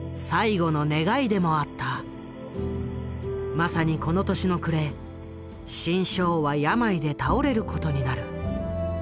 まさにこの年の暮れ志ん生は病で倒れることになる。